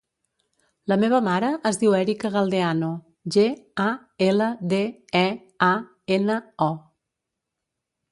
La meva mare es diu Erika Galdeano: ge, a, ela, de, e, a, ena, o.